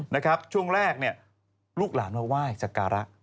นะครับช่วงแรกลูกหลานว่าว่าว่ายจากการะ